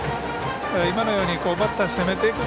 今のようにバッターを攻めていく。